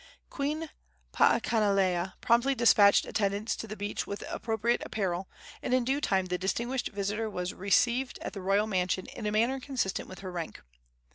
Queen Paakanilea promptly despatched attendants to the beach with appropriate apparel, and in due time the distinguished visitor was received at the royal mansion in a manner consistent with her rank.